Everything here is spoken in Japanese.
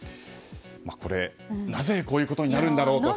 これ、なぜこういうことになるんだろうと。